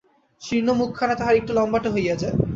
শীর্ণ মুখখানা তাহার একটু লম্বাটে হইয়া যায়।